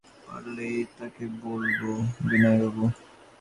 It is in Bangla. বিনয়বাবু সম্মত আছেন জানতে পারলেই তাঁকে বলব।